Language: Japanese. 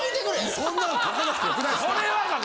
そんなん書かなくて良くないですか？